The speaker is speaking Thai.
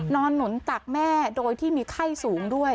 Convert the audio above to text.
หนุนตักแม่โดยที่มีไข้สูงด้วย